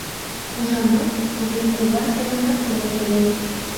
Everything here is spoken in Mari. — Ужамат, Вуверкува тыйымат локтыльо.